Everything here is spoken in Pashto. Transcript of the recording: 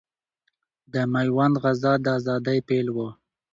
د ميوند غزا د اذادۍ پيل ؤ